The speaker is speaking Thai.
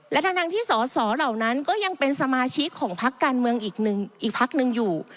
และทั้งที่สอสอเหล่านั้นก็ยังเป็นสมาชิกของพักการเมืองอีกพักหนึ่งอยู่